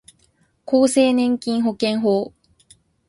厚生年金保険法